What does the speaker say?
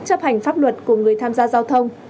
chấp hành pháp luật của người tham gia giao thông